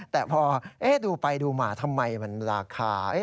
แต่พอดูไปดูมาทำไมมันราคา